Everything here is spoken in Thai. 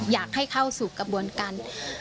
อยากให้เข้าสู่กระบวนการ